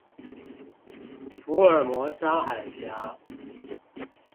福爾摩沙海峽